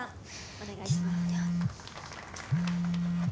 お願いします